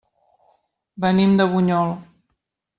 Venim de Bunyol.